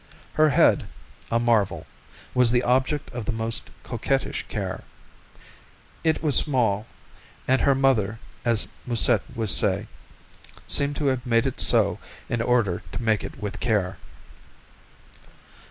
Her head, a marvel, was the object of the most coquettish care. It was small, and her mother, as Musset would say, seemed to have made it so in order to make it with care.